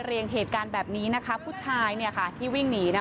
เรียงเหตุการณ์แบบนี้นะคะผู้ชายที่วิ่งหนีนะคะ